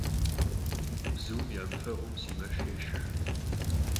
Bzum yamıfeğum si meşş yêşşx.